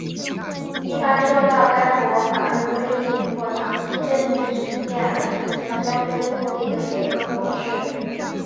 一般受到该国法律规定或长期政治实践而形成相对固定的结构模式。